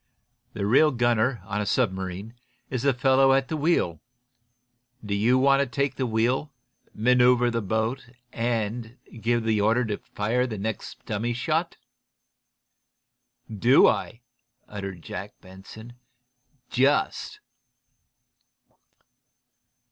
The real gunner, on a submarine, is the fellow at the wheel. Do you want to take the wheel, manoeuvre the boat and give the order for the next dummy shot?" "Do I?" uttered Jack Benson. "Just!"